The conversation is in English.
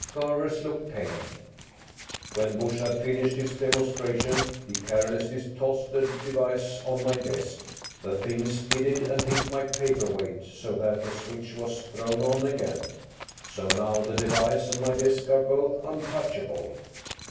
Garvers looked pained. "When Busch had finished his demonstration, he carelessly tossed the device on my desk. The thing skidded and hit my paperweight so that the switch was thrown on again. So now the device and my desk are both untouchable.